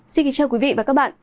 xin kính chào quý vị và các bạn